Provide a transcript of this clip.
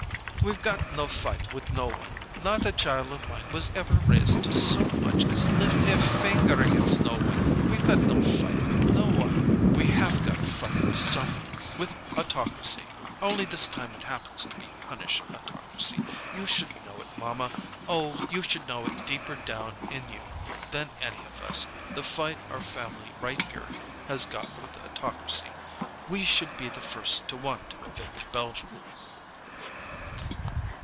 "We've got no fight with no one! Not a child of mine was ever raised to so much as lift a finger against no one. We've got no fight with no one!" "We have got a fight with some one! With autocracy! Only this time it happens to be Hunnish autocracy. You should know it, mamma oh, you should know it deeper down in you than any of us, the fight our family right here has got with autocracy! We should be the first to want to avenge Belgium!"